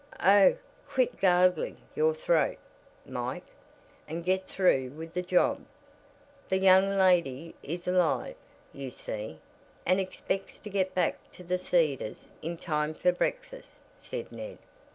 "Oh, quit gargling your throat, Mike, and get through with the job. The young lady is alive, you see, and expects to get back to the Cedars in time for breakfast," said Ned.